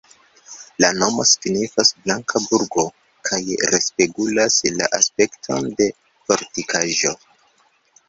La nomo signifas "blanka burgo" kaj respegulas la aspekton de fortikaĵo.